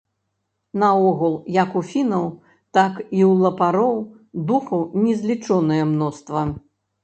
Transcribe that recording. Наогул як у фінаў, так і ў лапароў духаў незлічонае мноства.